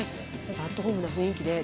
アットホームな雰囲気で。